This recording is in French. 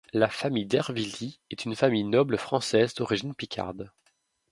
La famille d'Hervilly est une famille noble française, d'origine picarde.